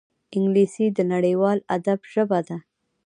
انګلیسي د نړیوال ادب ژبه ده